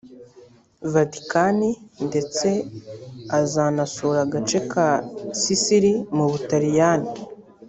Vatican ndetse azanasura agace ka Sicily mu Butaliyani